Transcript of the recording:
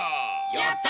やった！